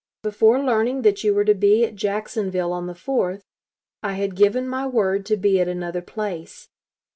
Before learning that you were to be at Jacksonville on the 4th, I had given my word to be at another place.